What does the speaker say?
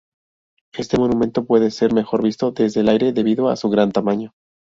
Este monumento puede ser mejor visto desde el aire debido a su gran tamaño.